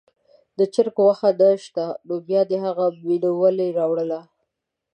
د چرګ غوښه نه شته نو بیا دې هغه مینو ولې راوړله.